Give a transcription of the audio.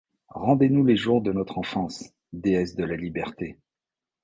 Rendez-nous les jours de notre enfance, Déesse de la Liberté !